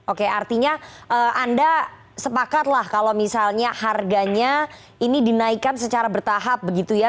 oke artinya anda sepakatlah kalau misalnya harganya ini dinaikkan secara bertahap begitu ya